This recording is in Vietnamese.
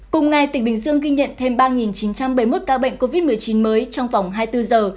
cùng ngày tỉnh bình dương ghi nhận thêm ba chín trăm bảy mươi một ca bệnh covid một mươi chín mới trong vòng hai mươi bốn giờ